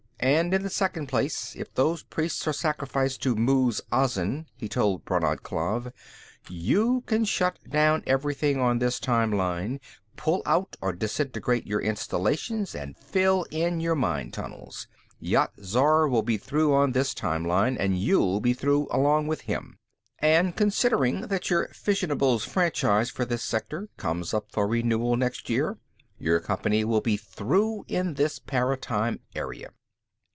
And in the second place, if those priests are sacrificed to Muz Azin," he told Brannad Klav, "you can shut down everything on this time line, pull out or disintegrate your installations, and fill in your mine tunnels. Yat Zar will be through on this time line, and you'll be through along with him. And considering that your fissionables franchise for this sector comes up for renewal next year, your company will be through in this paratime area."